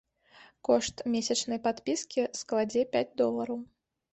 Кошт месячнай падпіскі складзе пяць долараў.